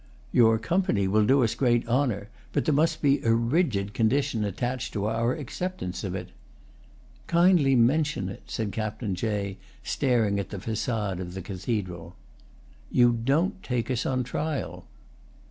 "Your company will do us great honour, but there must be a rigid condition attached to our acceptance of it." "Kindly mention it," said Captain Jay, staring at the façade of the cathedral. "You don't take us on trial."